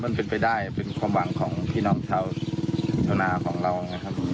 มันเป็นไปได้เป็นความหวังของพี่น้องชาวนาของเรานะครับ